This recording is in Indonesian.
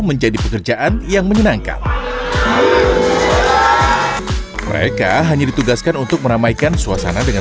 menjadi pekerjaan yang menyenangkan mereka hanya ditugaskan untuk meramaikan suasana dengan